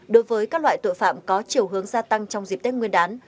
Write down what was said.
đối với các loại tội phạm có chiều hướng gia tăng trong dịp tết nguyên đán